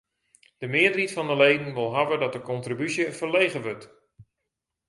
De mearheid fan de leden wol hawwe dat de kontribúsje ferlege wurdt.